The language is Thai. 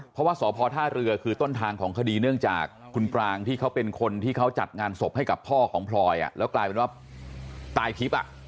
เพราะว่าสพท่าเรือคือต้นทางของคดีเนื่องจากคุณปรางที่เขาเป็นคนที่เขาจัดงานศพให้กับพ่อของพลอยแล้วกลายเป็นว่าตายทิพย์